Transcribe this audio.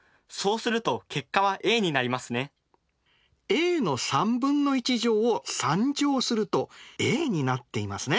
ａの３分の１乗を３乗するとａになっていますね。